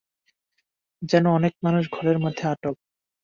যেন অনেক মানুষ ঘরের মধ্যে আটক।